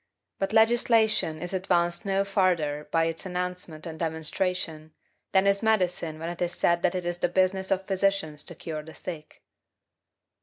But legislation is advanced no farther by its announcement and demonstration, than is medicine when it is said that it is the business of physicians to cure the sick."